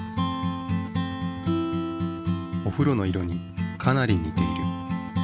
おふろの色にかなりにている。